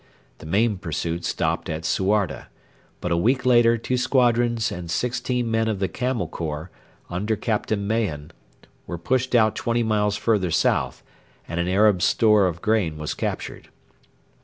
The main pursuit stopped at Suarda, but a week later two squadrons and sixteen men of the Camel Corps, under Captain Mahon, were pushed out twenty miles further south, and an Arab store of grain was captured.